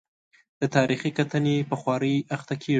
د تاریخي کتنې په خوارۍ اخته کېږي.